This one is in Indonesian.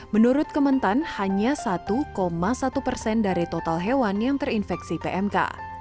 menurut kementan hanya satu satu persen dari total hewan yang terinfeksi pmk